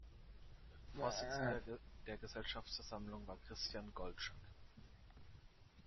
Vorsitzender der Gesellschafterversammlung war Christian Goldschagg.